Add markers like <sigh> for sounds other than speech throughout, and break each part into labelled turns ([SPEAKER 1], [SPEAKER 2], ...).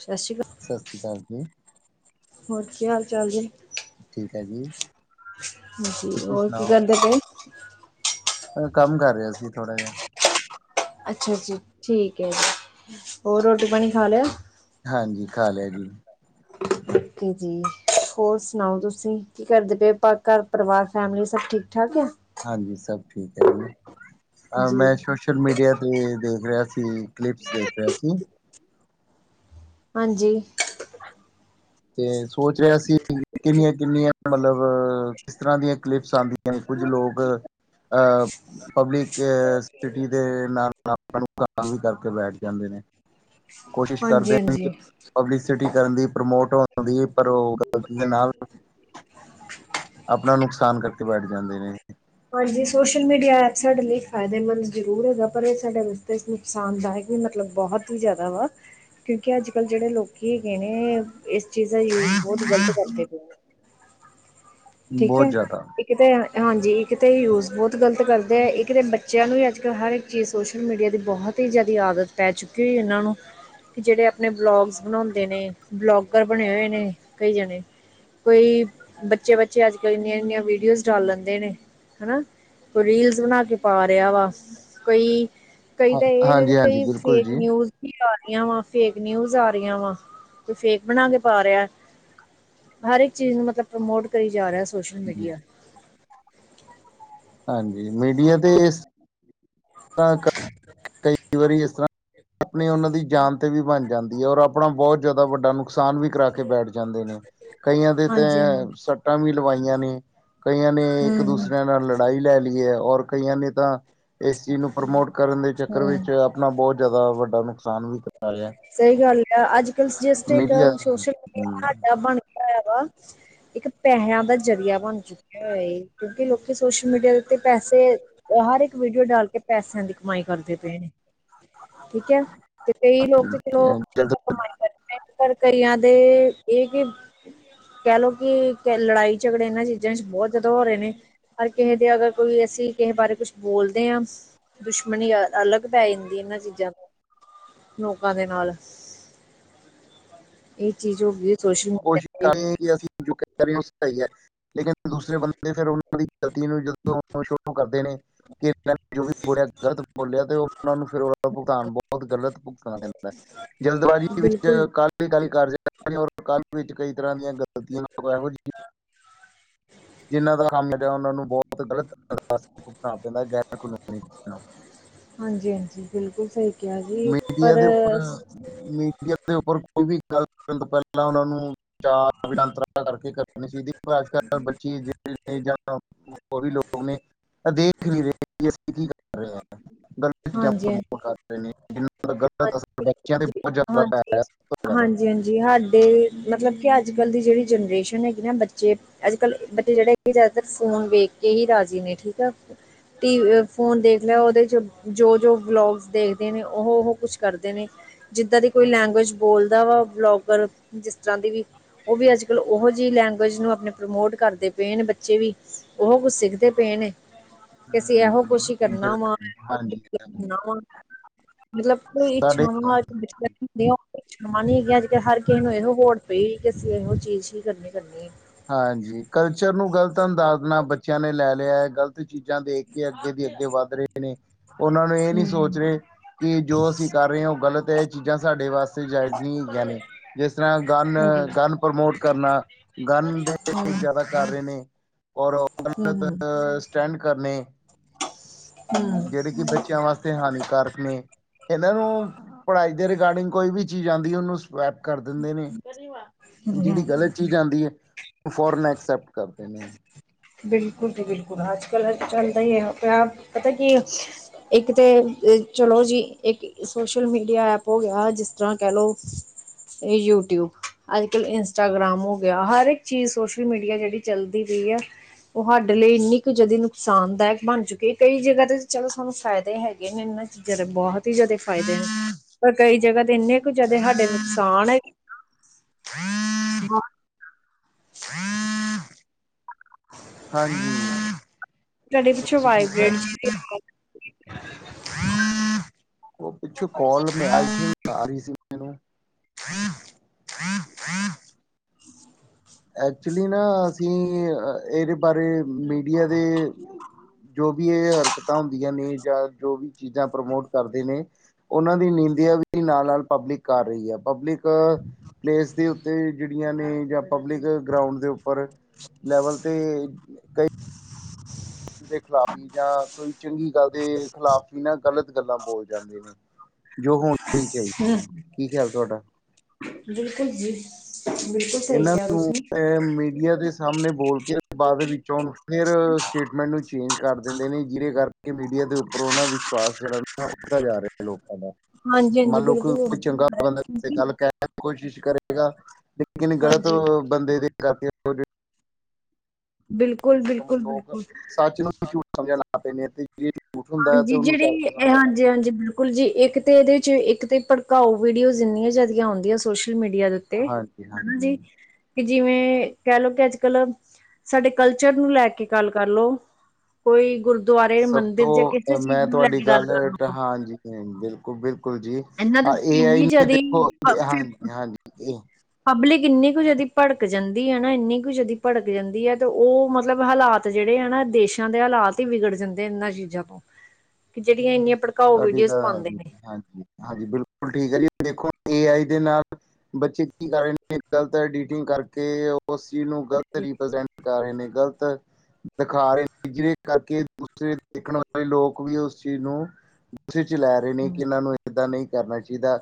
[SPEAKER 1] ਸਤਿ ਸ਼੍ਰੀ ਅਕਾਲ।
[SPEAKER 2] ਸਤਿ ਸ਼੍ਰੀ ਅਕਾਲ ਜੀ।
[SPEAKER 1] ਹੋਰ ਕੀ ਹਾਲ ਚਾਲ ਜੀ।
[SPEAKER 2] ਠੀਕ ਆ ਜੀ।
[SPEAKER 1] ਹਾਂਜੀ
[SPEAKER 2] ਤੁਸੀਂ
[SPEAKER 1] ਹੋਰ ਕੀ
[SPEAKER 2] ਸੁਣਾਓ?
[SPEAKER 1] ਕਰਦੇ ਪੇ।
[SPEAKER 2] ਕੰਮ ਕਰ ਰਿਹਾ ਸੀ ਥੋੜਾ ਜਾ।
[SPEAKER 1] ਅੱਛਾ ਜੀ ਠੀਕ ਆ ਜੀ ਹੋਰ ਰੋਟੀ ਪਾਣੀ ਖਾ ਲਿਆ।
[SPEAKER 2] ਹਾਂਜੀ ਖਾ ਲਿਆ ਜੀ।
[SPEAKER 1] ਓਕੇ ਜੀ। ਹੋਰ ਸੁਣਾਓ ਤੁਸੀਂ ਕੀ ਕਰਦੇ ਪਏ ਘਰ ਪਰਿਵਾਰ ਫੈਮਿਲੀ ਸਭ ਠੀਕ ਠਾਕ ਆ।
[SPEAKER 2] ਹਾਂਜੀ ਸਭ ਠੀਕ ਐ ਜੀ ਅ
[SPEAKER 1] ਜੀ।
[SPEAKER 2] ਮੈਂ ਸੋਸ਼ਲ ਮੀਡੀਆ ਤੇ ਦੇਖ ਰਿਹਾ ਸੀ। ਕਲਿਪਸ ਦੇਖ ਰਿਹਾ ਸੀ।
[SPEAKER 1] ਹਾਂਜੀ।
[SPEAKER 2] ਤੇ ਸੋਚ ਰਿਹਾ ਸੀ ਕਿੰਨੀਆਂ ਕਿੰਨੀਆਂ ਮਤਲਬ ਕਿਸ ਤਰ੍ਹਾਂ ਦੀਆਂ ਕਲਿਪਸ ਆਂਦੀਆਂ, ਕੁੱਝ ਲੋਕ ਅ ਪਬਲਿਕ ਸਿਟੀ ਦੇ ਨਾਲ ਆਪਣੇ ਨੂੰ <unintelligible> ਵੀ ਕਰਕੇ ਬੈਠ ਜਾਂਦੇ ਨੇ ਕੋਸ਼ਿਸ਼
[SPEAKER 1] ਹਾਂਜੀ,
[SPEAKER 2] ਕਰਦੇ ਨੇ ਕਿ
[SPEAKER 1] ਹਾਂਜੀ।
[SPEAKER 2] ਪਬਲਸਿਟੀ ਕਰਨ ਦੀ ਪ੍ਰਮੋਟ ਹੋਣ ਦੀ ਪਰ ਓ ਗਲਤੀ ਦੇ ਨਾਲ ਆਪਣਾ ਨੁਕਸਾਨ ਕਰਕੇ ਬੈਠ ਜਾਂਦੇ ਨੇ।
[SPEAKER 1] ਹਾਂਜੀ ਸੋਸ਼ਲ ਮੀਡੀਆ ਐਪ ਸਾਡੇ ਲਈ ਫਾਇਦੇਮੰਦ ਜ਼ਰੂਰ ਹੈਗਾ ਪਰ ਇਹ ਸਾਡੇ ਵਾਸਤੇ ਆਸਾਨਦਾਇਕ ਵੀ ਮਤਲਬ ਬਹੁਤ ਹੀ ਜ਼ਿਆਦਾ ਵਾ ਕਿਉਂਕਿ ਅੱਜ ਕੱਲ੍ਹ ਜਿਹੜੇ ਲੋਕੀ ਹੈਗੇ ਨੇ। ਇਸ ਚੀਜ਼ ਦਾ ਯੂਜ ਬਹੁਤ ਗ਼ਲਤ ਕਰਦੇ ਪਏ ਨੇ। ਠੀਕ
[SPEAKER 2] ਬਹੁਤ
[SPEAKER 1] ਐ।
[SPEAKER 2] ਜ਼ਿਆਦਾ।
[SPEAKER 1] ਇੱਕ ਤੇ ਹਾਂਜੀ ਇੱਕ ਤੇ ਏ ਯੂਜ਼ ਬਹੁਤ ਗਲਤ ਕਰਦੇ ਆ ਇੱਕ ਤੇ ਬੱਚਿਆਂ ਨੂੰ ਵੀ ਅੱਜ ਕੱਲ੍ਹ ਹਰ ਇੱਕ ਚੀਜ਼ ਸੋਸ਼ਲ ਮੀਡੀਆ ਦੀ ਬਹੁਤ ਤੀਜ਼ਿਆ ਦੀ ਆਦਤ ਪੈ ਚੁੱਕੀ ਹੋਈ ਇਹਨਾਂ ਨੂੰ। ਜਿਹੜੇ ਆਪਣੇ ਵਲੋਗਸ ਬਣਾਂਦੇ ਨੇ ਬਲੋਗਰ ਬਣੇ ਹੋਏ ਨੇ ਕਈ ਜਾਣੇ। ਕਈ ਬੱਚੇ ਬੱਚੇ ਅੱਜ ਕੱਲ੍ਹ ਇੰਨੀਆਂ ਇੰਨੀਆਂ ਵੀਡੀਓਜ਼ ਡਾਲ ਲੈਂਦੇ ਨੇ ਹਨਾ। ਕੋਈ ਰੀਲਸ ਬਣਾ ਕੇ ਪਾ ਰਿਹਾ ਵਾ ਕੋਈ ਕਈ
[SPEAKER 2] ਹਾਂ
[SPEAKER 1] ਤਾਂ ਏ ਆ ਜਿਹੜੀ
[SPEAKER 2] ਹਾਂਜੀ ਹਾਂਜੀ
[SPEAKER 1] ਕਈ
[SPEAKER 2] ਬਿਲਕੁਲ
[SPEAKER 1] ਫੇਕ
[SPEAKER 2] ਜੀ।
[SPEAKER 1] ਨਿਊਜ਼ ਆ ਰਹੀਆਂ ਵਾ ਫੇਕ ਨਿਊਜ਼ ਆ ਰਹੀਆਂ ਵਾ ਤੇ ਫੇਕ ਬਣਾ ਕੇ ਪਾ ਰਿਹਾ। ਹਰ ਇੱਕ ਚੀਜ਼ ਨੂੰ ਮਤਲਬ ਪ੍ਰਮੋਟ ਕਰੀ ਜਾ ਰਿਹਾ ਸੋਸ਼ਲ
[SPEAKER 2] ਹਾਂਜੀ
[SPEAKER 1] ਮੀਡੀਆ।
[SPEAKER 2] ਹਾਂਜੀ ਮੀਡੀਆ ਤੇ ਇਸ <unintelligible> ਕਈ ਵਾਰੀ ਇਸ ਤਰ੍ਹਾਂ ਆਪਣੀ ਉਹਨਾਂ ਦੀ ਜਾਨ ਤੇ ਵੀ ਬਣ ਜਾਂਦੀ ਐ ਔਰ ਆਪਣਾ ਬਹੁਤ ਜ਼ਿਆਦਾ ਵੱਡਾ ਨੁਕਸਾਨ ਵੀ ਕਰਾ ਕੇ ਬੈਠ ਜਾਂ ਦੇ ਨੇ ਕਈਆਂ ਦੇ ਤਾਂ
[SPEAKER 1] ਹਾਂਜੀ ਹਾਂ ਹਮ
[SPEAKER 2] ਸੱਟਾਂ ਵੀ ਲਵਾਈਆਂ ਨੇ। ਕਈਆਂ ਨੇ ਇੱਕ
[SPEAKER 1] ਹਮ
[SPEAKER 2] ਦੂਸਰਿਆਂ ਨਾਲ ਲੜਾਈ ਲੈ ਲਈ ਐ ਔਰ ਕਈਆਂ ਨੇ ਤਾਂ। ਇਸ ਨੂੰ ਪ੍ਰਮੋਟ ਕਰਨ ਦੇ ਚੱਕਰ ਵਿੱਚ
[SPEAKER 1] ਹਮ
[SPEAKER 2] ਆਪਣਾ ਬਹੁਤ ਜ਼ਿਆਦਾ ਵੱਡਾ ਨੁਕਸਾਨ ਵੀ ਕਰਾ ਰਿਹਾ।
[SPEAKER 1] ਸਹੀ ਗੱਲ ਆ ਅੱਜ ਕਲ ਜਸਟ ਇੱਕ
[SPEAKER 2] ਮੀਡੀਆ
[SPEAKER 1] ਸੋਸ਼ਲ
[SPEAKER 2] ਹਮ,
[SPEAKER 1] ਮੀਡੀਆ <unintelligible> ਬਣ ਗਿਆ ਹੈਗਾ। ਇੱਕ ਪੈਸਿਆਂ ਦਾ ਜ਼ਰੀਆ ਬਣ ਚੁੱਕਿਆ ਹੋਇਆ ਕਿਉਂਕਿ ਲੋਕੀ ਸੋਸ਼ਲ ਮੀਡੀਆ ਦੇ ਉੱਤੇ ਪੈਸੇ ਹਰ ਇੱਕ ਵੀਡੀਓ ਡਾਲ ਕੇ ਪੈਸਿਆਂ ਦੀ ਕਮਾਈ ਕਰਦੇ ਪਏ ਨੇ ਠੀਕ ਐ। ਕਈ ਲੋਕ ਤੇ ਚਲੋ ਕਮਾਈ ਕਰਦੇ ਪਰ ਕਈਆਂ ਦੇ ਇਹ ਕਿ ਕਹਿ ਲਓ ਕਿ ਲੜਾਈ ਝਗੜੇ ਇਹਨਾਂ ਚੀਜ਼ਾਂ ਚ ਬਹੁਤ ਜਿਆਦਾ ਹੋ ਰਹੇ ਨੇ। ਪਰ ਕਿਸੇ ਦੇ ਅਗਰ ਕੋਈ ਅਸੀਂ ਕਿਸੇ ਬਾਰੇ ਕੁਛ ਬੋਲਦੇ ਆ। ਦੁਸ਼ਮਣੀ ਅ ਅਲੱਗ ਪੈ ਜਾਂਦੀ ਏਨਾਂ ਚੀਜ਼ਾਂ ਲੋਕਾਂ ਦੇ ਨਾਲ ਏ ਚੀਜ਼ ਹੋਗੀ ਐ।
[SPEAKER 2] ਕੋਸ਼ਿਸ਼ ਕਰਨੀ ਕਿ ਅਸੀ <inaudible> ਲੇਕਿਨ ਦੂਸਰੇ ਬੰਦੇ ਫਿਰ ਓਨਾਂ ਦੀ ਗ਼ਲਤੀ ਨੂੰ ਜਦੋਂ ਸ਼ੁਰੂ ਕਰਦੇ ਨੇ। ਕੇ ਜੋ ਵੀ ਬੋਲਿਆ ਗਲਤ ਬੋਲਿਆ ਤੇ ਓ ਉਨਾ ਫੇਰ ਦਾ ਭੁਗਤਾਨ ਬਹੁਤ ਗ਼ਲਤ ਭੁਗਤਣਾ ਪੈਦਾਂ। ਜਲਦਬਾਜ਼ੀ
[SPEAKER 1] ਤੇ
[SPEAKER 2] ਵਿੱਚ
[SPEAKER 1] ਬਿਲਕੁਲ
[SPEAKER 2] ਕਾਅਲੀ-ਕਾਅਲੀ ਕਾਰਜ। ਕਾਅਲੀ ਵਿੱਚ ਕਈ ਤਰ੍ਹਾਂ ਦੀਆਂ ਗ਼ਲਤੀਆਂ ਇਹੋ ਜਿਹੀ ਜਿੰਨਾਂ ਦਾ ਕੰਮ ਲੱਬਿਆ ਹੁੰਦਾ ਉਨਾਂ ਨੂੰ ਬਹੁਤ ਗਲਤਣਾ ਪੈਂਦਾ
[SPEAKER 1] ਹਾਂਜੀ-ਹਾਂਜੀ ਬਿਲਕੁਲ ਸਈ ਕਿਆ ਜੀ
[SPEAKER 2] ਮੀਡੀਆ
[SPEAKER 1] ਪਰ
[SPEAKER 2] ਦੇ ਉੱਪਰ ਮੀਡੀਆ ਦੇ ਉੱਪਰ ਕੋਈ ਵੀ ਗੱਲ ਕਰਨ ਤੋਂ ਪੈਲਾਂ ਓਨਾਂ ਨੂੰ ਕਰਕੇ ਕਰਨੀ ਚਾਈਦੀ ਪਰ ਅੱਜਕੱਲ੍ਹ ਬੱਚੀ ਜ ਨੇ ਜਾਂ ਹੋਰ ਵੀ ਲੋਕ ਨੇ ਦੇਖ ਨ ਰਏ ਕਿ ਅਸੀਂ ਕੀ ਰਹੇ ਗਲ ਚੀਜਾਂ
[SPEAKER 1] ਹਾਂਜੀ
[SPEAKER 2] ਪ੍ਰਮੋਟ ਕਰ ਰਹੇ ਨੇ। ਗਲਤ ਅਸਰ ਬੱਚੇਆਂ ਤੇ
[SPEAKER 1] ਹਾਂਜੀ,
[SPEAKER 2] ਬੋਤ ਜ਼ਿਆਦਾ ਪੈ ਰਿਆ ਸਬ ਤੋ ਜਿਆਦਾ।
[SPEAKER 1] ਹਾਂਜੀ ਹਾਡੇ ਮਤਲਬ ਕਿ ਅੱਜਕਲ੍ਹ ਦੀ ਜੇੜੀ ਜਨਰੇਸ਼ਨ ਹੈਗੀ ਨਾ ਬੱਚੇ। ਅੱਜਕੱਲ ਬੱਚੇ ਜੇੜੇ ਕਿ ਜਿਆਦਾਤਰ ਫੋਨ ਵੇਖ ਕੇ ਹੀ ਰਾਜੀ ਨੇ ਠੀਕ ਆ। ਟੀ ਫੋਨ ਦੇਖ ਲਿਆ ਓਹਦੇ 'ਚ ਜੋ ਜੋ ਵਲੋਗਸ ਦੇਖਦੇ ਨੇ ਓਹੋ ਓਹੋ ਕੁਛ ਕਰਦੇ ਨੇ। ਜਿੱਦਾਂ ਦੀ ਕੋਈ ਲੈਂਗੁਏਜ ਬੋਲਦਾ ਵਾ ਵਲੋਗਰ ਜਿਸ ਤਰ੍ਹਾਂ ਦੀ ਵੀ। ਓ ਵੀ ਅੱਜਕੱਲ੍ਹ ਉਹੋ ਜਿਹੀ ਲੈਂਗੁਏਜ ਨੂੰ ਆਪਣੇ ਪ੍ਰਮੋਟ ਕਰਦੇ ਪਏ ਨੇ ਬੱਚੇ ਵੀ। ਓਹੋ ਕੁਛ ਸਿੱਖਦੇ ਪਏ ਨੇ। ਕਿ ਅਸੀਂ
[SPEAKER 2] ਹਮ,
[SPEAKER 1] ਐਹੋ ਕੁਛ ਕਰਨਾ ਵਾ
[SPEAKER 2] ਜਿਹੜੇ-
[SPEAKER 1] ਇਹ
[SPEAKER 2] ਹਾਂਜੀ
[SPEAKER 1] ਵਾ
[SPEAKER 2] ਹਾਂਜੀ।
[SPEAKER 1] ਕਰਨਾ ਵਾ। ਮਤਲਬ ਕੋਈ
[SPEAKER 2] ਸਾਡੇ
[SPEAKER 1] ਇਛਾਂਵਾ ਕਮਾਨੀ ਅੱਜਕਲ ਹਰ ਕਿਸੇ ਨੂੰ ਇਹੋ ਹੋੜ ਪਈ ਕਿ ਅਸੀਂ ਇਹੋ ਚੀਜ਼ ਹੀ ਕਰਨੀ-ਕਰਨੀ।
[SPEAKER 2] ਹਾਂਜੀ, ਕਲਚਰ ਨੂੰ ਗ਼ਲਤ ਅੰਦਾਜ਼ ਨਾਲ ਬੱਚੇ। ਬੱਚਿਆਂ ਨੇ ਲੈ ਲਿਆ ਐ ਗ਼ਲਤ ਚੀਜ਼ਾਂ ਦੇਖ ਕੇ ਅੱਗੇ ਦੀ ਅੱਗੇ ਵੱਧ ਰਹੇ ਨੇ। ਓਨਾਂ ਨੂੰ ਏ ਨੀ ਸੋਚ
[SPEAKER 1] ਹੂੰ,
[SPEAKER 2] ਰਹੇ, ਕਿ ਜੋ ਅਸੀਂ ਕਰ ਰਏ ਆ ਓ ਗਲਤ ਏ ਚੀਜ਼ਾਂ ਸਾਡੇ ਵਾਸਤੇ। ਜਾਇਜ਼ ਨੀ ਹੈਗੀਆ ਨੇ ਜਿਸ ਤਰ੍ਹਾਂ
[SPEAKER 1] ਹਾਂਜੀ,
[SPEAKER 2] ਗਨ-ਗਨ ਪ੍ਰਮੋਟ ਕਰਨਾ। ਗਨ
[SPEAKER 1] ਹੂੰ, ਹੂੰ,
[SPEAKER 2] ਜ਼ਿਆਦਾ ਕਰ ਰਹੇ ਨੇ ਔਰ ਓ ਗਨ
[SPEAKER 1] ਹੂੰ।
[SPEAKER 2] ਸਟੈਂਡ ਕਰਨੇ। ਜੇੜੀ ਕਿ ਬੱਚੇ ਬੱਚੇਆਂ ਵਾਸਤੇ ਹਾਨੀਕਾਰਕ ਨੇ ਏਨਾਂ ਨੂੰ ਪੜ੍ਹਾਈ ਦੇ ਰਿਗਾਰਡਿੰਗ ਕੋਈ ਵੀ ਚੀਜ਼ ਆਂਦੀ ਓਨੂੰ। ਮੈਪ ਕਰ ਦਿੰਦੇ ਨੇ
[SPEAKER 1] ਹੂੰ,
[SPEAKER 2] ਜੇੜੀ
[SPEAKER 1] ਹੂੰ।
[SPEAKER 2] ਗਲਤ ਚੀਜ਼ ਆਂਦੀ ਐ। ਫੋਰਨ ਐਕਸੈਪਟ ਕਰਦੇ ਨੇ।
[SPEAKER 1] ਬਿਲਕੁਲ ਜੀ ਬਿਲਕੁਲ ਅੱਜਕੱਲ ਚੱਲਦਾ ਈ ਏਹੋ ਪਿਆ ਪਤਾ ਕੀ। ਇੱਕ ਤਾਂ ਚਲੋ ਜੀ, ਇੱਕ ਸੋਸ਼ਲ ਮੀਡੀਆ ਐਪ ਹੋ ਗਿਆ ਜਿਸ ਤਰ੍ਹਾਂ ਕੈਹ ਲੋ। ਇਹ ਯੂਟਿਊਵ ਅੱਜਕਲ ਇੰਸਟਾਗ੍ਰਾਮ ਹੋ ਗਿਆ ਹਰ ਇੱਕ ਚੀਜ਼ ਸੋਸ਼ਲ ਮੀਡੀਆ ਜੇੜੀ ਚੱਲਦੀ ਪਈ ਐ। ਓ ਸਾਡੇ ਲਈ ਏਨੀ ਕੁ ਜਿਆਦੀ ਨੁਕਸਾਨਦਾਇਕ ਬਣ ਚੁੱਕੀ ਹੈ ਕਈ ਜਗ੍ਹਾ ਤੇ ਚਲੋ ਸਾਨੂੰ ਫਾਇਦੇ ਹੈਗੇ ਨੇ ਏਨਾਂ ਦੇ ਬਹੋਤ ਈ ਜ਼ਿਆਦੇ ਫ਼ਾਇਦੇ ਨੇ, ਪਰ ਕਈ ਜਗ੍ਹਾ ਤੇ ਏਨੇ ਕੁ ਜਿਆਦੇ ਸਾਡੇ ਨੁਕਸਾਨ ਐ।
[SPEAKER 2] <unintelligible> ਹਾਂਜੀ,
[SPEAKER 1] ਸਾਡੇ ਪਿੱਛੋਂ
[SPEAKER 2] ਤੁਸੀ
[SPEAKER 1] ਵਾਈਬ੍ਰੇਟ ਜੀ
[SPEAKER 2] ਠੀਕ-ਠਾਕ।
[SPEAKER 1] ਦੀ ਆਵਾਜ਼
[SPEAKER 2] ਓ ਪਿੱਛੋਂ ਕੋਲ ਰਈ ਸੀ ਆ ਰਹੀ ਸੀ ਮੈਨੂੰ ਐਕਚੁਲੀ ਨਾ ਅਸੀਂ ਏਦੇ ਬਾਰੇ ਮੀਡੀਆ ਦੇ ਜੋ ਵੀ ਏ ਹਰਕਤਾਂ ਹੁੰਦੀਆਂ, ਨੇ ਜਾਂ ਜੋ ਵੀ ਚੀਜ਼ਾਂ ਪ੍ਰਮੋਟ ਕਰਦੇ ਨੇ। ਉਹਨਾਂ ਦੀ ਨਿੰਦਿਆ ਵੀ ਨਾਲ-ਨਾਲ ਪਬਲਿਕ ਕਰ ਰਹੀ ਐ ਪਬਲਿਕ। ਮਤਲਬ ਪਲੇਸ ਦੇ ਉੱਤੇ ਜੇੜੀਆਂ ਨੇ ਜਾਂ ਪਬਲਿਕ ਗਰਾਊਂਡ ਦੇ ਉੱਤੇ। ਹੋਰ ਲੈਵਲ ਤੇ ਕਈ। ਦੇ ਖਿਲਾਫ਼ ਵੀ ਜਾਂ ਕੋਈ ਚੰਗੀ ਗੱਲ ਦੇ ਖਿਲਾਫ਼ ਵੀ ਨਾ ਗ਼ਲਤ ਗੱਲਾਂ ਬੋਲ ਜਾਂਦੇ ਨੇ। ਜੋ ਹੋਣ ਚਾਹੀਦੀਆਂ ਕੀ ਖਿਆਲ ਤੁਹਾਡਾ?
[SPEAKER 1] ਬਿਲਕੁਲ ਜੀ ਬਿਲਕੁਲ ਸਹੀ ਕਿਹਾ ਤੁਸੀਂ।
[SPEAKER 2] ਇਹ ਮੀਡੀਆ। ਮੀਡੀਆ ਦੇ ਸਾਹਮਣੇ ਬੋਲ ਕੇ ਬਾਅਦ ਵਿੱਚੋਂ ਫਿਰ ਸਟੇਟਮੈਂਟ ਨੂੰ ਚੇਂਜ ਕਰ ਦਿੰਦੇ ਨੇ ਜਿਹਦੇ ਕਰਕੇ। ਕਿ ਮੀਡੀਆ ਦੇ ਉਪਰੋ ਉਹ ਨਾ ਵਿਸ਼ਵਾਸ ਜਿਹੜਾ ਉਠਦਾ ਜਾ ਰਿਹਾ ਲੋਕਾਂ ਦਾ।
[SPEAKER 1] ਹਾਂਜੀ ਹਾਂਜੀ
[SPEAKER 2] ਮੰਨ ਲਓ
[SPEAKER 1] ਬਿਲਕੁਲ
[SPEAKER 2] ਕੋਈ ਚੰਗਾ ਬੰਦਾ ਗੱਲ ਕਹਿਣ ਦੀ ਕੋਸ਼ਿਸ਼ ਕਰੇਗਾ। ਲੇਕਿਨ ਗ਼ਲਤ
[SPEAKER 1] ਹਾਂਜੀ
[SPEAKER 2] ਬੰਦੇ ਦੀ ਕਰਤੀ। <unintelligible>
[SPEAKER 1] ਬਿਲਕੁਲ ਬਿਲਕੁਲ ਬਿਲਕੁਲ।
[SPEAKER 2] ਸਮਝਣਾ ਪ ਨੇ। <inaudible> ਹੁੰਦਾ ਹੈ ਤੇ
[SPEAKER 1] ਹਾਂਜੀ
[SPEAKER 2] ਉਹਨੂੰ ਸੱਚ
[SPEAKER 1] ਜਿਹੜੀ
[SPEAKER 2] ਸਮਝਣ ਲੱਗ
[SPEAKER 1] ਹਾਂਜੀ
[SPEAKER 2] ਪਏ
[SPEAKER 1] ਹਾਂਜੀ ਬਿਲਕੁਲ। ਕੁਲ ਜੀ ਇੱਕ ਤੇ ਇਹਦੇ ਚ ਇੱਕ ਤੇ ਭੜਕਾਊ ਵੀਡੀਓਜ਼ ਇੰਨੀਆਂ ਜ਼ਿਆਦੀ ਆਉਂਦੀਆਂ ਸੋਸ਼ਲ ਮੀਡੀਆ ਦੇ ਉੱਤੇ।
[SPEAKER 2] ਹਾਂਜੀ
[SPEAKER 1] ਤੇ ਹਨ ਜੀ। <inaudible>
[SPEAKER 2] ਹਾਂਜੀ
[SPEAKER 1] ਕਿ ਜਿਵੇਂ ਕਹਿ ਲਓ ਕਿ ਅੱਜ ਕੱਲ ਸਾਡੇ ਕਲਚਰ ਨੂੰ ਲੈ ਕੇ ਗੱਲ ਕਰ ਲਓ। ਕੋਈ ਗੁਰਦੁਆਰੇ
[SPEAKER 2] ਸਭ
[SPEAKER 1] ਮੰਦਿਰ। ਜਾਂ ਕਿਸੇ ਚੀਜ਼
[SPEAKER 2] ਮੈਂ
[SPEAKER 1] ਨੂੰ ਲੈ
[SPEAKER 2] ਤੁਹਾਡੀ
[SPEAKER 1] ਕੇ
[SPEAKER 2] ਗੱਲ
[SPEAKER 1] ਕਰ ਲਓ
[SPEAKER 2] ਹਾਂਜੀ ਬਿਲਕੁਲ ਬਿਲਕੁਲ ਜੀ।
[SPEAKER 1] ਇਹਨਾਂ ਦੇ
[SPEAKER 2] ਇਹ
[SPEAKER 1] ਉੱਤੇ
[SPEAKER 2] ਏ‌ ਆਈ
[SPEAKER 1] ਇੰਨੀ
[SPEAKER 2] ਨਹੀਂ ਦੇਖੋ
[SPEAKER 1] ਜ਼ਿਆਦਾ
[SPEAKER 2] ਹਾਂਜੀ ਹਾਂਜੀ ਇਹ।
[SPEAKER 1] ਪਬਲਿਕ ਇੰਨੀ ਕੁ ਜ਼ਿਆਦਾ ਭੜਕ ਜਾਂਦੀ ਹੈ ਨਾ ਇੰਨੀ ਕੁ ਜ਼ਿਆਦਾ ਭੜਕ ਜਾਂਦੀ ਹੈ ਤੇ ਉਹ ਮਤਲਬ ਹਾਲਾਤ। ਤੇ ਜਿਹੜੇ ਹਨਾ ਦੇਸ਼ਾਂ ਦੇ ਹਾਲਾਤ ਹੀ ਵਿਗੜ ਜਾਂਦੇ ਇਹਨਾਂ ਚੀਜ਼ਾਂ ਤੋਂ ਕਿ ਜਿਹੜੀਆਂ ਇੰਨੀਆਂ। ਭੜਕਾਓ
[SPEAKER 2] ਤੁਹਾਡੀ
[SPEAKER 1] ਵੀਡੀਓਜ਼
[SPEAKER 2] ਤਾਂ
[SPEAKER 1] ਪਾਉਂਦੇ
[SPEAKER 2] ਹਾਂਜੀ
[SPEAKER 1] ਨੇ
[SPEAKER 2] ਹਾਂਜੀ ਬਿਲਕੁਲ ਠੀਕ ਆ ਜੀ ਦੇਖੋ ਏ ਆਈ ਦੇ ਨਾਲ। ਬੱਚੇ ਕੀ ਕਰ ਰਹੇ ਨੇ ਗਲਤ ਐਡੀਟਿੰਗ ਕਰਕੇ ਉਸ ਚੀਜ਼ ਨੂੰ ਗਲਤ
[SPEAKER 1] ਜੀ
[SPEAKER 2] ਰੀਪ੍ਰਜੈਂਟ। ਕਰ ਰਹੇ ਨੇ ਗ਼ਲਤ। ਦਿਖਾ ਰਹੇ ਨੇ ਜਿਹਦੇ ਕਰਕੇ ਦੂਸਰੇ ਦੇਖਣ ਵਾਲੇ ਲੋਕ ਵੀ ਉਸ ਚੀਜ਼ ਨੂੰ। ਗੁੱਸੇ ਚ ਲੈ ਰਹੇ ਨੇ
[SPEAKER 1] ਹਮ।
[SPEAKER 2] ਕਿ ਇਹਨਾਂ ਨੂੰ ਏਦਾਂ ਨਹੀਂ। ਕਰਨਾ ਚਾਹੀਦਾ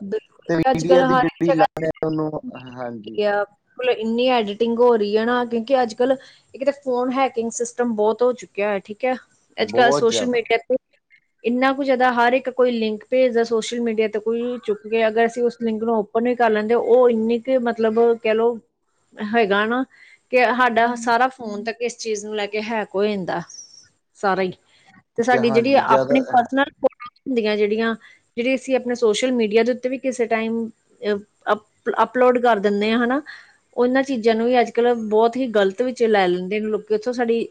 [SPEAKER 2] ਤੇ
[SPEAKER 1] ਬਿਲਕੁਲ ਅੱਜ ਕੱਲ
[SPEAKER 2] ਮੀਡੀਆ ਦੀ
[SPEAKER 1] ਹਰ ਇੱਕ
[SPEAKER 2] ਜਿਹੜੀ
[SPEAKER 1] ਜਗ੍ਹਾ
[SPEAKER 2] ਲਾਈਨ ਉਹਨੂੰ ਹਾਂਜੀ।
[SPEAKER 1] ਹੁਣ ਇੰਨੀ ਐਡੀਟਿੰਗ ਹੋ ਰਹੀ ਹੈ ਨਾ ਕਿਉਂਕਿ ਅੱਜ ਕੱਲ੍ਹ। ਇੱਕ ਤੇ ਫੋਨ ਹੈਕਿੰਗ ਸਿਸਟਮ ਬਹੁਤ ਹੋ ਚੁੱਕਿਆ ਹੈ। ਠੀਕ ਹੈ। ਅੱਜ ਕੱਲ੍ਹ
[SPEAKER 2] ਬਹੁਤ
[SPEAKER 1] ਸੋਸ਼ਲ
[SPEAKER 2] ਜ਼ਿਆਦਾ
[SPEAKER 1] ਮੀਡੀਆ ਤੇ। ਇੰਨਾ ਕੁ ਜ਼ਿਆਦਾ ਹਰ ਇੱਕ ਕੋਈ ਲਿੰਕ ਭੇਜਦਾ ਸੋਸ਼ਲ ਮੀਡੀਆ ਤੇ ਕੋਈ। ਚੁੱਕ ਕੇ ਅਗਰ ਅਸੀਂ ਉਸ ਲਿੰਕ ਨੂੰ ਓਪਨ ਵੀ ਕਰ ਲੈਂਦੇ ਉਹ ਇੰਨੀ ਕੁ ਮਤਲਬ ਕਹਿ ਲਓ। ਹੈਗਾ ਨਾ। ਕਿ ਸਾਡਾ ਸਾਰਾ ਫੋਨ ਤੇ ਕਿਸ ਚੀਜ਼ ਨੂੰ ਲੈ ਕੇ ਹੈਕ ਹੋ ਜਾਂਦਾ ਸਾਰਾ ਹੀ। ਤੇ ਸਾਡੀ ਜਿਹੜੀ
[SPEAKER 2] ਹਾਂਜੀ ਜ਼ਿਆਦਾ
[SPEAKER 1] ਆਪਣੀ ਪਰਸਨਲ ਫੋਟੋ ਹੁੰਦੀਆਂ ਜਿਹੜੀਆਂ ਜਿਹੜੀ ਅਸੀਂ ਆਪਣੇ ਸੋਸ਼ਲ। ਸੋਸ਼ਲ ਮੀਡੀਆ ਦੇ ਉੱਤੇ ਵੀ ਕਿਸੇ ਟਾਈਮ ਅਪਲੋਡ ਕਰ ਦਿੰਦੇ ਆ ਹਨਾ। ਉਹਨਾਂ ਚੀਜ਼ਾਂ ਨੂੰ ਵੀ ਅੱਜ ਕੱਲ੍ਹ ਬਹੁਤ ਹੀ ਗਲਤ ਵਿੱਚ ਲੈ ਲੈਂਦੇ ਨੇ ਲੋਕ ਉੱਥੋਂ ਸਾਡੀ।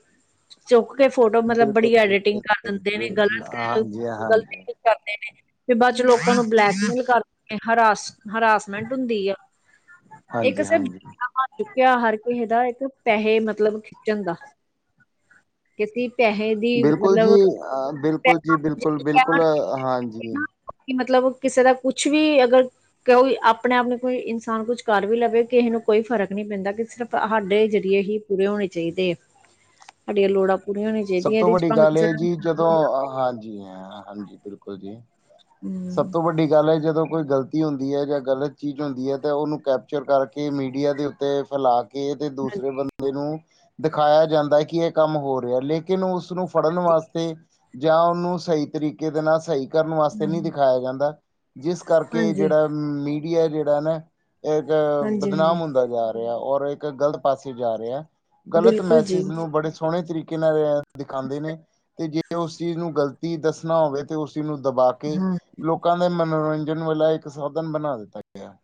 [SPEAKER 1] ਚੁੱਕ ਕੇ ਫੋਟੋ ਮਤਲਬ
[SPEAKER 2] ਬਿਲਕੁਲ
[SPEAKER 1] ਬੜੀ
[SPEAKER 2] ਜੀ
[SPEAKER 1] ਐਡੀਟਿੰਗ ਕਰ ਦਿੰਦੇ ਨੇ
[SPEAKER 2] ਬਿਲਕੁਲ
[SPEAKER 1] ਗਲਤ
[SPEAKER 2] ਹਾਂਜੀ
[SPEAKER 1] ਗਲਤੀ
[SPEAKER 2] ਹਾਂਜੀ
[SPEAKER 1] ਕੀ ਕਰਦੇ ਨੇ। ਫੇਰ ਬਾਅਦ ਚ ਲੋਕਾਂ ਨੂੰ। ਬਲੈਕਮੇਲ ਕਰ ਦੇਣਗੇ ਹਰਾਸ ਹਰਾਸਮੈਂਟ ਹੁੰਦੀ ਆ ਇੱਕ।
[SPEAKER 2] ਹਾਂਜੀ ਹਾਂਜੀ
[SPEAKER 1] ਚੁੱਕਿਆ ਹਰ ਕੋਈ ਇਹਦਾ ਇਹ ਤੋਂ ਪੈਸੇ ਮਤਲਬ ਖਿੱਚਣ ਦਾ। ਕਿਸੀ ਪੈਸੇ। ਦੀ
[SPEAKER 2] ਬਿਲਕੁਲ ਜੀ
[SPEAKER 1] ਮਤਲਬ
[SPEAKER 2] ਬਿਲਕੁਲ ਜੀ ਬਿਲਕੁਲ ਬਿਲਕੁਲ ਹਾਂਜੀ।
[SPEAKER 1] ਕਿ ਮਤਲਬ ਕਿਸੇ ਦਾ ਕੁਛ ਵੀ ਅਗਰ। ਕੋਈ ਆਪਣੇ ਆਪ ਨੂੰ ਕੋਈ ਇਨਸਾਨ ਕੁਛ ਕਰ ਵੀ ਲਵੇ ਕਿਸੇ ਨੂੰ ਕੋਈ ਫਰਕ ਨਹੀਂ ਪੈਂਦਾ ਕਿਉਂ ਸਿਰਫ ਸਾਡੇ ਜ਼ਰੀਏ ਹੀ। ਪੂਰੇ ਹੋਣੇ ਚਾਹੀਦੇ ਹੈ ਸਾਡੀਆਂ ਲੋੜਾਂ। ਪੂਰੀਆਂ ਹੋਣੀਆਂ
[SPEAKER 2] ਸਭ
[SPEAKER 1] ਚਾਹੀਦੀਆਂ
[SPEAKER 2] ਤੋਂ
[SPEAKER 1] ਇਹਦੇ ਚ
[SPEAKER 2] ਵੱਡੀ
[SPEAKER 1] ਭਾਵੇਂ
[SPEAKER 2] ਗੱਲ
[SPEAKER 1] ਕਿਸੇ
[SPEAKER 2] ਇਹ
[SPEAKER 1] ਦਾ
[SPEAKER 2] ਜੀ ਜਦੋਂ ਹਾਂਜੀ ਹੈ। ਹਾਂਜੀ ਬਿਲਕੁਲ ਜੀ, ਸਭ
[SPEAKER 1] ਹਮ
[SPEAKER 2] ਤੋਂ ਵੱਡੀ ਗੱਲ ਹੈ ਜਦੋਂ ਕੋਈ ਗਲਤੀ। ਗਲਤੀ ਹੁੰਦੀ ਹੈ ਜਾਂ ਗਲਤ ਚੀਜ਼ ਹੁੰਦੀ ਹੈ ਤਾਂ ਉਹਨੂੰ ਕੈਪਚਰ ਕਰਕੇ ਮੀਡੀਆ ਦੇ ਉੱਤੇ ਫੈਲਾ। ਕੇ ਤੇ ਦੂਸਰੇ
[SPEAKER 1] ਹਾਂਜੀ,
[SPEAKER 2] ਬੰਦੇ ਨੂੰ, ਦਿਖਾਇਆ ਜਾਂਦਾ ਕਿ ਇਹ ਕੰਮ ਹੋ ਰਿਹਾ ਲੇਕਿਨ। ਲੇਕਿਨ ਉਸਨੂੰ ਫੜਨ ਵਾਸਤੇ, ਜਾਂ ਉਹਨੂੰ ਸਹੀ ਤਰੀਕੇ ਦੇ ਨਾਲ ਸਹੀ। ਕਰਨ ਵਾਸਤੇ ਨਹੀਂ
[SPEAKER 1] ਹਾਂਜੀ,
[SPEAKER 2] ਦਿਖਾਇਆ ਜਾਂਦਾ, ਜਿਸ ਕਰਕੇ
[SPEAKER 1] ਹਾਂਜੀ,
[SPEAKER 2] ਜਿਹੜਾ ਮੀਡੀਆ, ਜਿਹੜਾ ਨਾ। ਇੱਕ ਬਦਨਾਮ
[SPEAKER 1] ਹਾਂਜੀ
[SPEAKER 2] ਹੁੰਦਾ ਜਾ ਰਿਹਾ, ਔਰ ਇੱਕ ਗਲਤ ਪਾਸੇ ਜਾ ਰਿਹਾ। ਗ਼ਲਤ
[SPEAKER 1] ਬਿਲਕੁਲ ਜੀ
[SPEAKER 2] ਮੈਸਜ ਨੂੰ ਬੜੇ ਸੋਹਣੇ ਤਰੀਕੇ ਨਾਲ। ਦਿਖਾਉਂਦੇ ਨੇ, ਤੇ ਜੇ ਉਸ ਚੀਜ਼ ਨੂੰ ਗ਼ਲਤੀ ਦੱਸਣਾ ਹੋਵੇ ਤੇ ਉਸ ਚੀਜ਼ ਨੂੰ ਦਬਾ ਕੇ।
[SPEAKER 1] ਹਾਂ।
[SPEAKER 2] ਲੋਕਾਂ ਦੇ ਮਨੋਰੰਜਨ ਵਾਲਾ ਇੱਕ ਸਾਧਨ ਬਣਾ ਦਿੱਤਾ ਗਿਆ।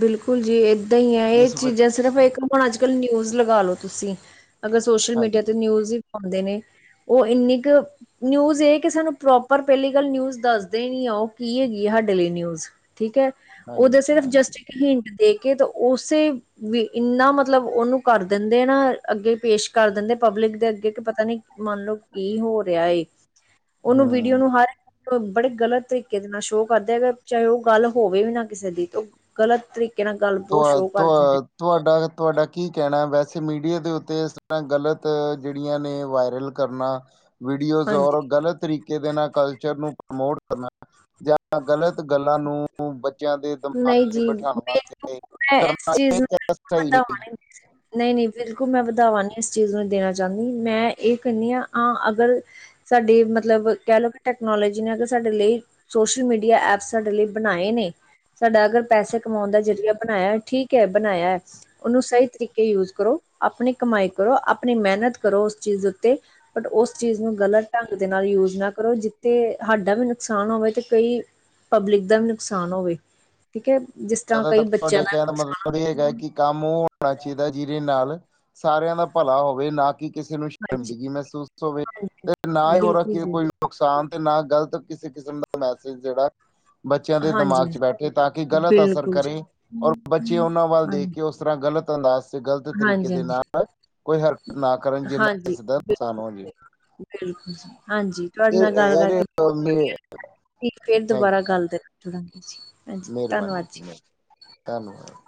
[SPEAKER 1] ਬਿਲਕੁਲ ਜੀ ਏਦਾਂ ਹੀ ਹੈ, ਇਹ
[SPEAKER 2] ਜਿਸ ਵਜ
[SPEAKER 1] ਚੀਜ਼ਾਂ ਸਿਰਫ ਇੱਕ। ਹੁਣ ਅੱਜ ਕੱਲ ਨਿਊਜ਼ ਲਗਾ ਲੋ ਤੁਸੀਂ, ਅਗਰ ਸੋਸ਼ਲ ਮੀਡੀਆ ਤੇ
[SPEAKER 2] ਹਾਂਜੀ
[SPEAKER 1] ਨਿਊਜ਼ ਹੀ ਪਾਉਂਦੇ ਨੇ। ਉਹ ਇੰਨੀ ਕੁ। ਨਿਊਜ਼ ਇਹ ਕਿ ਸਾਨੂੰ ਪ੍ਰੋਪਰ ਪਹਿਲੀ ਗੱਲ ਨਿਊਜ਼ ਦੱਸਦੇ ਨਹੀਂ ਆ ਉਹ ਕੀ ਹੈਗੀ ਹੈ ਸਾਡੇ ਲਈ ਨਿਊਜ਼। ਠੀਕ ਹੈ।
[SPEAKER 2] ਹਾਂਜੀ।
[SPEAKER 1] ਤੇ ਸਿਰਫ
[SPEAKER 2] ਹਾਂਜੀ
[SPEAKER 1] ਜਸਟਿਕ ਹਿੰਟ ਦੇ ਕੇ ਤੇ ਉਸੇ। ਵੀ ਇੰਨਾ ਮਤਲਬ ਉਹਨੂੰ ਕਰ ਦਿੰਦੇ ਨਾ, ਅੱਗੇ ਪੇਸ਼ ਕਰ ਦਿੰਦੇ ਪਬਲਿਕ ਦੇ ਅੱਗੇ ਕਿ ਪਤਾ ਨੀ। ਮੰਨਲਓ ਕੀ ਹੋ ਰਿਹਾ ਹੈ, ਉਹਨੂੰ ਵੀਡੀਓ
[SPEAKER 2] ਹਮ
[SPEAKER 1] ਨੂੰ ਹਰ। ਬੜੇ ਗ਼ਲਤ ਤਰੀਕੇ ਦੇ ਨਾਲ ਸ਼ੋਅ ਕਰਦੇ ਆ, ਚਾਹੇ ਉਹ ਗੱਲ ਹੋਵੇ ਵੀ ਨਾ ਕਿਸੇ ਦੀ, ਗਲਤ ਤਰੀਕੇ। ਤਰੀਕੇ ਨਾਲ ਗੱਲ ਬਹੁਤ
[SPEAKER 2] ਤੁਹਾ
[SPEAKER 1] ਸ਼ੋਅ ਕਰ ਦੇਣਗੇ।
[SPEAKER 2] ਤੁਹਾ ਤੁਹਾਡਾ, ਤੁਹਾਡਾ ਕੀ ਕਹਿਣਾ ਵੈਸੇ ਮੀਡੀਆ ਦੇ ਉੱਤੇ ਇਸ ਤਰ੍ਹਾਂ ਗਲਤ, ਜਿਹੜੀਆਂ ਨੇ ਵਾਇਰਲ। ਕਰਨਾ, ਵੀਡੀਓਜ਼
[SPEAKER 1] ਹਾਂਜੀ
[SPEAKER 2] ਔਰ ਗਲਤ ਤਰੀਕੇ ਦੇ ਨਾਲ ਕਲਚਰ ਨੂੰ ਪ੍ਰਮੋਟ ਕਰਨਾ। ਜਾਂ ਗਲਤ ਗੱਲਾਂ ਨੂੰ, ਬੱਚਿਆਂ ਦੇ ਦਿਮਾਗ
[SPEAKER 1] ਨਹੀਂ
[SPEAKER 2] 'ਚ
[SPEAKER 1] ਜੀ
[SPEAKER 2] ਬਿਠਾਉਣ ਵਾਸਤੇ।
[SPEAKER 1] ਮੈਨੂੰ ਮੈਂ ਇਸ
[SPEAKER 2] ਕਰਨਾ
[SPEAKER 1] ਚੀਜ਼
[SPEAKER 2] ਇਹ
[SPEAKER 1] ਨੂੰ,
[SPEAKER 2] ਕਿਆ
[SPEAKER 1] ਬਿਲਕੁਲ
[SPEAKER 2] ਸਹੀ
[SPEAKER 1] ਪਤਾ ਹੋਣੀ ਨਹੀਂ- ਨਹੀਂ ਬਿਲਕੁਲ ਮੈਂ ਵਧਾਵਾ ਨਹੀਂ ਇਸ ਚੀਜ਼ ਨੂੰ ਦੇਣਾ ਚਾਹੁੰਦੀ, ਮੈਂ ਇਹ ਕਹਿੰਦੀ ਹਾਂ ਆਂ ਅਗਰ ਸਾਡੀ ਮਤਲਬ ਕਹਿ ਲਓ ਕਿ ਟੈਕਨੋਲੋਜੀ ਨੇ ਅਗਰ ਸਾਡੇ ਲਈ, ਸੋਸ਼ਲ ਮੀਡੀਆ ਐਪਸ ਸਾਡੇ ਲਈ ਬਣਾਏ ਨੇ, ਸਾਡਾ ਅਗਰ ਪੈਸੇ ਕਮਾਉਣ ਦਾ ਜ਼ਰੀਆ ਬਣਾਇਆ ਠੀਕ ਹੈ ਬਣਾਇਆ ਉਹਨੂੰ ਸਹੀ ਤਰੀਕੇ ਯੂਜ ਕਰੋ, ਆਪਣੀ ਕਮਾਈ ਕਰੋ, ਆਪਣੀ ਮਿਹਨਤ ਕਰੋ ਉਸ ਚੀਜ਼ ਉੱਤੇ ਬਟ ਉਸ ਚੀਜ਼ ਨੂੰ ਗਲਤ ਢੰਗ ਦੇ ਨਾਲ ਯੂਜ ਨਾ ਕਰੋ ਜਿੱਥੇ, ਸਾਡਾ ਵੀ ਨੁਕਸਾਨ ਹੋਵੇ ਤੇ ਕਈ ਪਬਲਿਕ ਦਾ ਵੀ ਨੁਕਸਾਨ ਹੋਵੇ, ਠੀਕ ਹੈ ਜਿਸ ਤਰ੍ਹਾਂ
[SPEAKER 2] ਜ਼ਿਆਦਾਤਰ
[SPEAKER 1] ਕਈ ਬੱਚਿਆਂ
[SPEAKER 2] ਤੁਹਾਡੇ
[SPEAKER 1] ਦਾ
[SPEAKER 2] ਕਹਿਣ ਮਤਲਬ ਇਹ ਹੈਗਾ
[SPEAKER 1] ਨੁਕਸਾਨ
[SPEAKER 2] ਕਿ ਕੰਮ ਉਹ ਹੋਣਾ ਚਾਹੀਦਾ ਜਿਹਦੇ ਨਾਲ, ਸਾਰਿਆਂ ਦਾ ਭਲਾ ਹੋਵੇ ਨਾ ਕਿ ਕਿਸੇ ਨੂੰ
[SPEAKER 1] ਹਾਂਜੀ
[SPEAKER 2] ਸ਼ਿੰਦਗੀ ਮਹਿਸੂਸ ਹੋਵੇ,
[SPEAKER 1] ਹਾਂਜੀ
[SPEAKER 2] ਤੇ ਨਾ ਹੀ ਉਹ ਰ
[SPEAKER 1] ਬਿਲਕੁਲ
[SPEAKER 2] ਕਿ
[SPEAKER 1] ਜੀ
[SPEAKER 2] ਕੋਈ ਨੁਕਸਾਨ ਤੇ ਨਾ, ਗ਼ਲਤ ਕਿਸੇ ਕਿਸਮ ਦਾ ਮੈਸੇਜ ਜਿਹੜਾ ਬੱਚਿਆਂ ਦੇ
[SPEAKER 1] ਹਾਂਜੀ
[SPEAKER 2] ਦਿਮਾਗ 'ਚ ਬੈਠੇ, ਤਾਂ ਕਿ ਗ਼ਲਤ ਅਸਰ
[SPEAKER 1] ਬਿਲਕੁਲ ਜੀ
[SPEAKER 2] ਕਰੇ, ਔਰ ਬੱਚੇ ਉਹਨਾਂ ਵੱਲ ਦੇਖ
[SPEAKER 1] ਹਾਂਜੀ
[SPEAKER 2] ਕੇ ਉਸ ਤਰ੍ਹਾਂ ਗ਼ਲਤ ਅੰਦਾਜ਼ ਗ਼ਲਤ ਤਰੀਕੇ
[SPEAKER 1] ਹਾਂਜੀ
[SPEAKER 2] ਦੇ
[SPEAKER 1] ਹਾਂਜੀ
[SPEAKER 2] ਨਾਲ, ਕੋਈ ਹਰਕਤ ਨਾ ਕਰਨ ਜਿਨਾ
[SPEAKER 1] ਹਾਂਜੀ
[SPEAKER 2] ਕਿਸੇ ਦਾ ਨੁਕਸਾਨ
[SPEAKER 1] ਬਿਲਕੁਲ
[SPEAKER 2] ਹੋਣ ਜੇ
[SPEAKER 1] ਬਿਲਕੁਲ ਜੀ, ਹਾਂਜੀ ਤੁਹਾਡੇ
[SPEAKER 2] ਇਹ
[SPEAKER 1] ਨਾਲ ਗੱਲ
[SPEAKER 2] ਇਹ ਇਹਦੇ
[SPEAKER 1] ਕਰਕੇ ਬਹੁਤ
[SPEAKER 2] ਮੇ
[SPEAKER 1] ਵਧੀਆ ਲੱਗਿਆ ਇਸ ਤੇ ਫੇਰ
[SPEAKER 2] ਥੈਂਕ
[SPEAKER 1] ਦੁਬਾਰਾ ਗੱਲ ਦੇ ਚਾਂਗੇ ਜ
[SPEAKER 2] ਮਿਹਰਬਾਨੀ ਮਿਹਰਬਾਨੀ ਧੰਨਵਾਦ